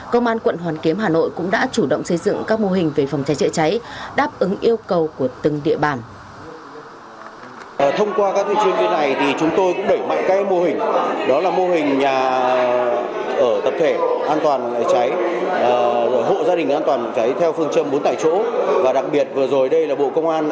công an quận hoàn kiếm hà nội cũng đã chủ động xây dựng các mô hình về phòng cháy cháy đáp ứng yêu cầu của từng địa bàn